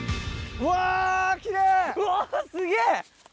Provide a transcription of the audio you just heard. うわすげぇ！